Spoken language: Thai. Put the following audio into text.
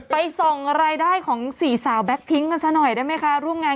ไปส่องรายได้ของ๔สาวแบลค์พิ้งกันซะหน่อยได้ไหมคะ